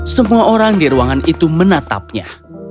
semua orang di ruangan itu menatapnya